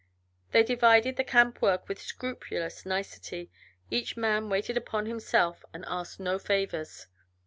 They divided the camp work with scrupulous nicety, each man waited upon himself and asked no favors.